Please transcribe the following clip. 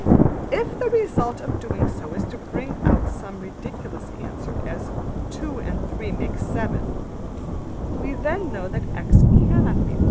If the result of doing so is to bring out some such ridiculous answer as ``2 and 3 make 7,'' we then know that $x$ cannot be 1.